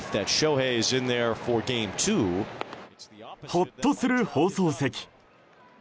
ほっとする放送席。